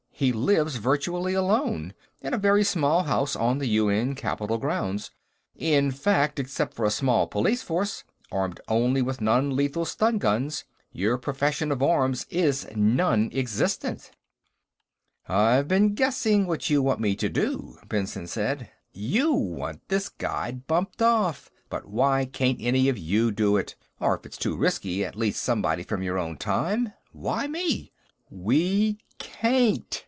"He lives virtually alone, in a very small house on the UN Capitol grounds. In fact, except for a small police force, armed only with non lethal stun guns, your profession of arms is non existent." "I've been guessing what you want me to do," Benson said. "You want this Guide bumped off. But why can't any of you do it? Or, if it's too risky, at least somebody from your own time? Why me?" "We can't.